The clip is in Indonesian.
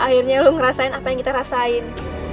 akhirnya lu ngerasain apa yang kita rasain